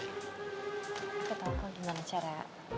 aku tahu kau gimana cara